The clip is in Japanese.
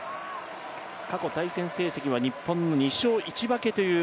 過去対戦成績は日本の２勝１分です。